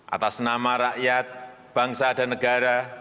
atas nama rakyat bangsa dan negara